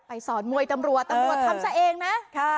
สอนมวยตำรวจตำรวจทำซะเองนะ